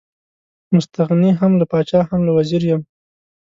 مستغني هم له پاچا هم له وزیر یم.